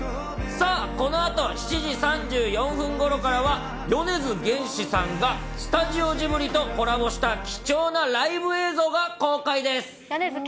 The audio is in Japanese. さあ、このあと７時３４分ごろからは、米津玄師さんがスタジオジブリとコラボした貴重なライブ映像が公開です。